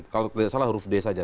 kalau tidak salah huruf d saja